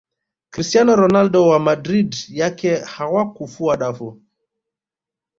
cristiano ronaldo wa madrid yake hawakufua dafu